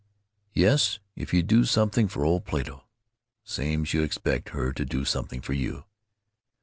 "Yes, if you do something for old Plato, same 's you expect her to do something for you."